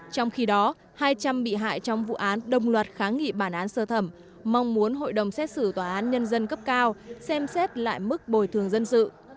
trong khi đó hai trăm linh bị hại trong vụ án đồng loạt kháng nghị bản án sơ thẩm mong muốn hội đồng xét xử tòa án nhân dân cấp cao xem xét lại mức bồi thường dân sự